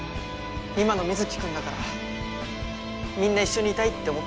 今の水城君だからみんな一緒にいたいって思ったんだよ。